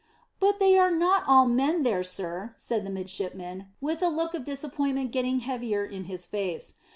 "But they are not all men there, sir," said the midshipman, with a look of disappointment getting heavier in his face.